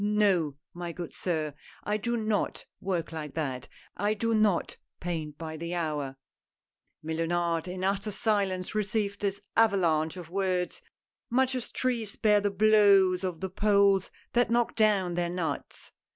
No, my good sir, I do not work like that. I do not paint by the hour I " Mellunard in utter silence received this avalanche of words, much as trees bear the blows of the poles that knock down their nuts.